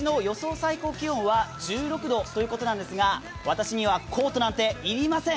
最高気温は１６度ということですが私にはコートなんて要りません。